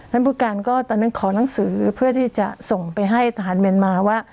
ผู้การก็ตอนนั้นขอหนังสือเพื่อที่จะส่งไปให้ทหารเมียนมาว่า